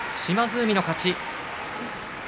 海の勝ち。